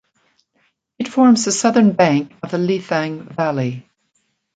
It forms the southern bank of the Lethang valley.